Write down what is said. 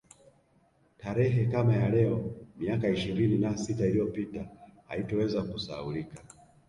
Tarehe kama ya leo miaka ishirini na sita iliyopita haitoweza kusahaulika